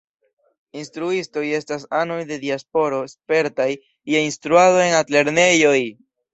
Instruistoj estas anoj de diasporo spertaj je instruado en altlernejoj.